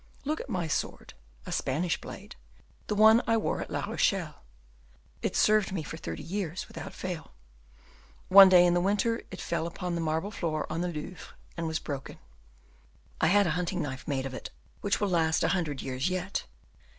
Look at my sword, a Spanish blade, the one I wore at La Rochelle; it served me for thirty years without fail; one day in the winter it fell upon the marble floor on the Louvre and was broken. I had a hunting knife made of it which will last a hundred years yet.